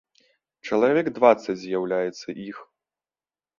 Чалавек дваццаць з'яўляецца іх.